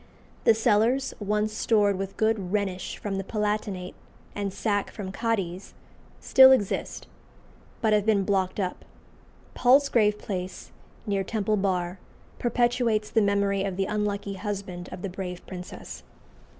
The cellars, once stored with good Rhenish from the Palatinate, and sack from Cadiz, still exist, but have been blocked up. Palsgrave Place, near Temple Bar, perpetuates the memory of the unlucky husband of the brave princess.